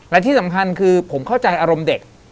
และที่สำคัญคือผมเข้าใจอารมณ์เด็ก